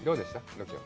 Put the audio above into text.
ロケは。